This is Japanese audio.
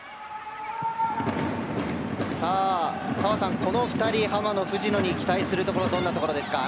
澤さん、この２人浜野、藤野に期待するのはどんなところですか？